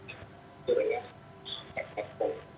itu adalah empat puluh empat toko